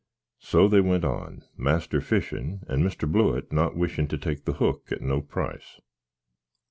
So they went on, master fishin, and Mr. Blewitt not wishin to take the hook at no price.